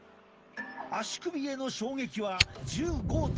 足首への衝撃は１５．５Ｇ。